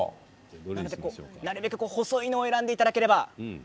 なるべく細いものを選んでいただければ。